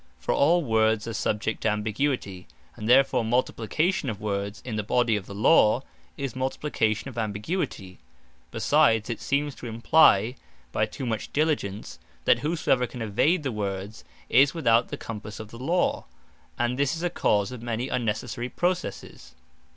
For all words, are subject to ambiguity; and therefore multiplication of words in the body of the Law, is multiplication of ambiguity: Besides it seems to imply, (by too much diligence,) that whosoever can evade the words, is without the compasse of the Law. And this is a cause of many unnecessary Processes.